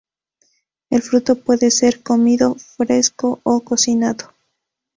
El fruto puede ser comido fresco o cocinado.